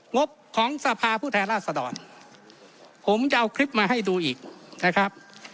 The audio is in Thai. งบของสภาผู้แทนราชดรผมจะเอาคลิปมาให้ดูอีกนะครับ